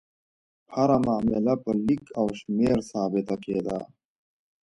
هره معامله په لیک او شمېر ثابته کېده.